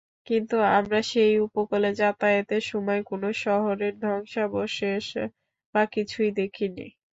কিন্তু আমরা সেই উপকূলে যাতায়তের সময় কোন শহরের ধ্বংসাবশেষ বা কিছুই দেখিনি।